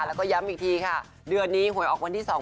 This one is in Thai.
แล้วก็ย้ำอีกทีค่ะเดือนนี้หวยออกวันที่๒๒